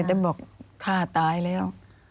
ไม่ได้บอกฆ่าตายแล้ว